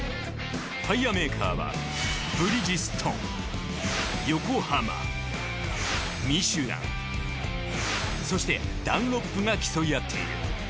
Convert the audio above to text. タイヤメーカーはブリヂストンヨコハマミシュランそしてダンロップが競い合っている。